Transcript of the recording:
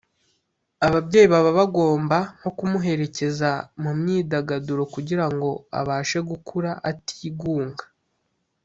ababyeyi baba bagomba nko kumuherekeza mu myidagaduro kugira ngo abashe gukura atigunga